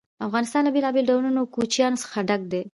افغانستان له بېلابېلو ډولونو کوچیانو څخه ډک دی.